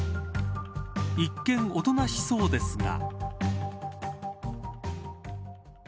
一見おとなしそうですが。